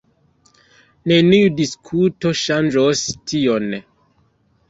Neniu diskuto ŝanĝos tion.